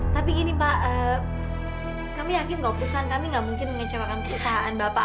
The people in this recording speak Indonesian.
tapi gini pak kami yakin kalau perusahaan kami gak mungkin mengecewakan perusahaan bapak